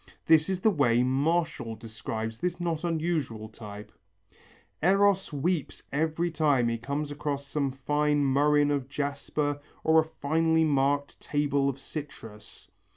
This is the way Martial describes this not unusual type: "Eros weeps every time he comes across some fine murrhine of jasper or a finely marked table of citrus.